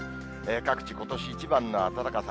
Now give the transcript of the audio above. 各地、ことし一番の暖かさ。